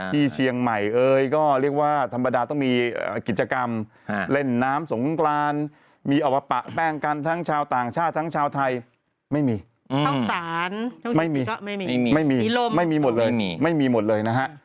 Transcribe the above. ที่สหรัฐทางสีสีก็ไม่มีไม่มีไม่มีเมื่อมีเขิมไม่มีหมดเลยนะฮะ